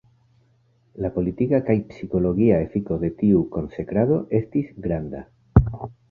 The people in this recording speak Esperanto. La politika kaj psikologia efiko de tiu konsekrado estis granda.